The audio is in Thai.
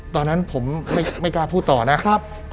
ตอนนั้นผมไม่กล้าพูดต่อนะครับ